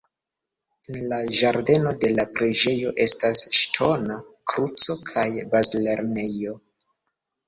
En la ĝardeno de la preĝejo estas ŝtona kruco kaj bazlernejo.